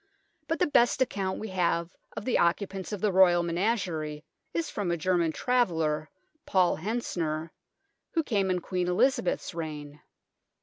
But the best account we have of the occupants of the Royal menagerie is from a German travel ler, Paul Hentzner, who came in Queen Eliza beth's reign.